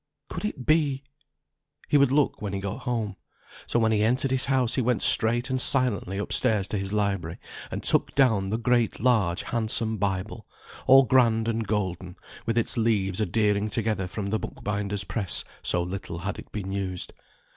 Could it be ? He would look when he got home. So when he entered his house he went straight and silently up stairs to his library, and took down the great large handsome Bible, all grand and golden, with its leaves adhering together from the bookbinder's press, so little had it been used.